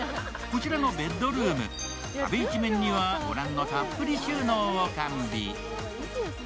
こちらのベッドルーム、壁一面には御覧のたっぷり収納を完備。